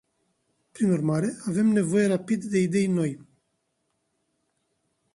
Prin urmare, avem nevoie rapid de idei noi.